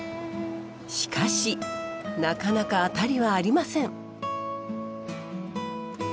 しかしなかなかアタリはありません。